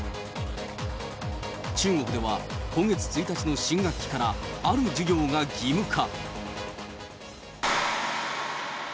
中国では、今月１日の新学期からある授業が義務化。